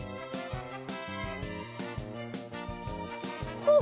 ほっ！